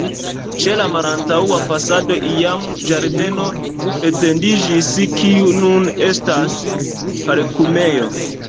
Ĉe la malantaŭa fasado iam ĝardeno etendiĝis, kiu nun estas parkumejo.